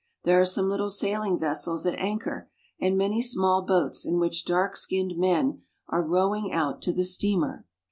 There are some little saiHng vessels at anchor, and many small boats in which dark skinned men are rowing out to the steamer.